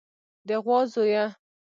د غوا زويه.